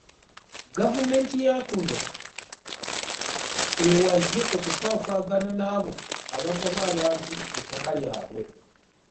Gavumenti ya kuno eweze okufaafaagana n'abo abagoba abantu ku ttaka lyabwe.